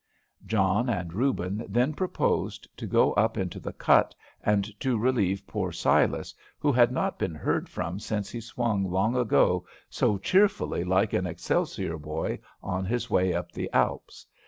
John and Reuben then proposed to go up into the cut, and to relieve poor Silas, who had not been heard from since he swung along so cheerfully like an "Excelsior" boy on his way up the Alps.